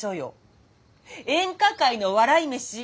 演歌界の笑い飯。